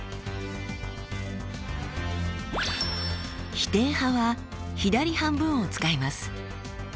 否定派は左半分を使います。